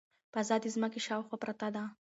فضا د ځمکې شاوخوا پرته ده.